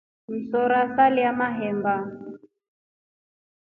Msora salya mahemba.